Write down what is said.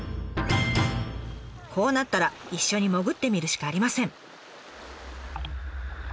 こうなったら一緒に潜ってみるしかありません！